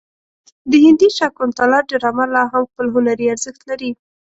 د هندي شاکونتالا ډرامه لا هم خپل هنري ارزښت لري.